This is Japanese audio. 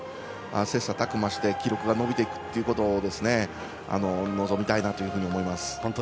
切さたく磨して記録が伸びていくということを望みたいなというふうに思います。